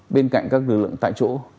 bên cạnh các lực lượng tại chỗ